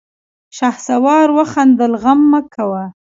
شهسوار وخندل: غم مه کوه!